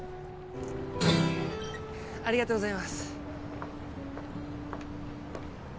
ありがとうございます。